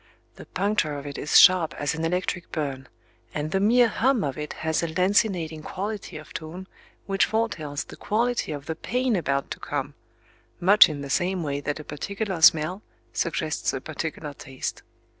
The puncture of it is sharp as an electric burn; and the mere hum of it has a lancinating quality of tone which foretells the quality of the pain about to come,—much in the same way that a particular smell suggests a particular taste.